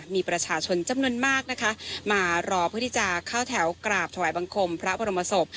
มีประชาชนจำนวนมากนะคะมารอเพื่อที่จะเข้าแถวกราบถวายบังคมพระบรมศพ